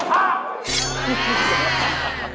สวาย